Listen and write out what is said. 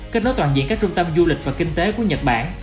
kết nối toàn diện các trung tâm du lịch và kinh tế của nhật bản